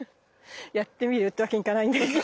やってみる？ってわけにいかないんだけど。